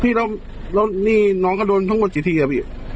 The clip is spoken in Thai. พี่แล้วนี่น้องก็โดนทั้งหมดกี่ทีอ่ะพี่